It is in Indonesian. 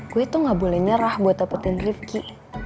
gue tuh nggak boleh nyerah buat dapetin ripki